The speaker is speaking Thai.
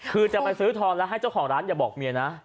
คือจะไปซื้อทอนแล้วให้เจ้าของร้านอย่าบอกเมียนะ